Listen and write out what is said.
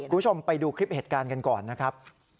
คุณผู้ชมไปดูคลิปเหตุการณ์กันก่อนนะครับ